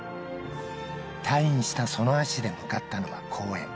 退院したその足で向かったのは公園。